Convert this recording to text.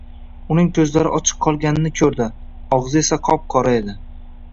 Uning koʻzlari ochiq qolganini koʻrdi, ogʻzi esa qop-qora edi.